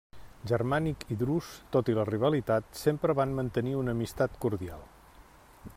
Germànic i Drus, tot i la rivalitat, sempre van mantenir una amistat cordial.